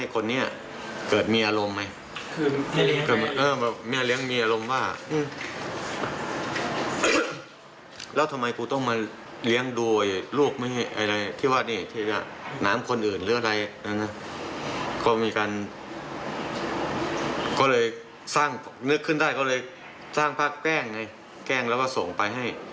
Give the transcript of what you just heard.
ก็มีการก็เลยนึกขึ้นได้ก็เลยสร้างภาพแกล้งแกล้งแล้วก็ส่งไปให้